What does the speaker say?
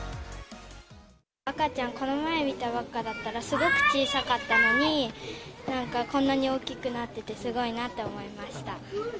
赤ちゃん、この前見たばっかだったら、すごく小さかったのに、なんか、こんなに大きくなっててすごいなって思いました。